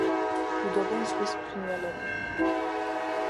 ბუდობენ ზღვის ფრინველები.